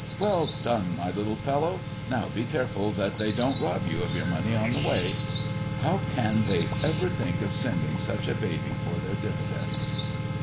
"Well done, my little fellow! Now be careful that they dont rob you of your money on the way. How can they ever think of sending such a baby for their dividends!"